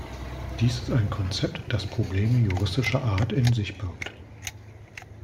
Dies ist ein Konzept, das Probleme juristischer Art in sich birgt.